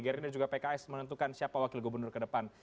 gerindra dan juga pks menentukan siapa wakil gubernur ke depan